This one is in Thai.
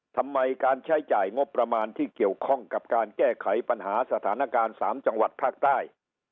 ทำไมการใช้จ่ายงบประมาณที่เกี่ยวข้องกับการแก้ไขปัญหาสถานการณ์๓จังหวัดภาคใต้